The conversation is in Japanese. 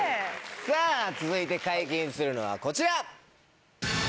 さぁ続いて解禁するのはこちら！